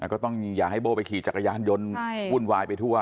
ก็ต้องอย่าให้โบ้ไปขี่จักรยานยนต์วุ่นวายไปทั่ว